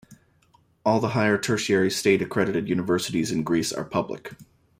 All the higher Tertiary state-accredited universities in Greece are public.